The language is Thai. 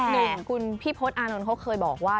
แต่คุณพี่พลสอานนท์เคยบอกว่า